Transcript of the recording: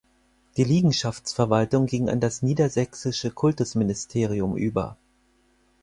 Die Liegenschaftsverwaltung ging an das Niedersächsische Kultusministerium über.